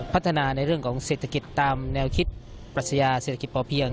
พัฒนาในเรื่องของเศรษฐกิจตามแนวคิดปรัชญาเศรษฐกิจพอเพียง